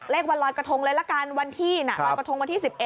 วันรอยกระทงเลยละกันวันที่น่ะรอยกระทงวันที่๑๑